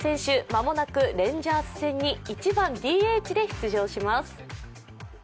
間もなくレンジャーズ戦に１番・ＤＨで出場します。